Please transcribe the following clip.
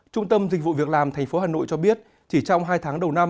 trung tâm dịch vụ việc làm tp hà nội cho biết chỉ trong hai tháng đầu năm